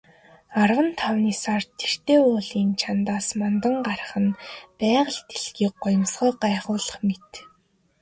Арван тавны сар тэртээ уулын чанадаас мандан гарах нь байгаль дэлхий гоёмсгоо гайхуулах мэт.